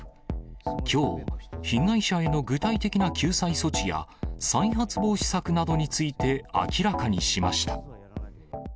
きょう、被害者への具体的な救済措置や、再発防止策などについて明らかにしました。